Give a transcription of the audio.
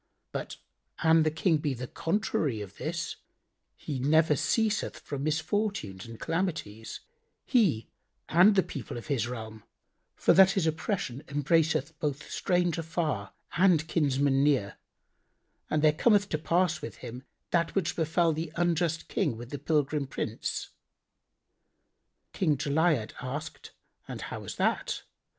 But an the King be the contrary of this, he never ceaseth from misfortunes and calamities, he and the people of his realm; for that his oppression embraceth both stranger far and kinsman near and there cometh to pass with him that which befel the unjust King with the pilgrim Prince." King Jali'ad asked, "And how was that?"